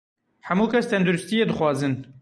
Hemû kes tenduristiyê dixwazin.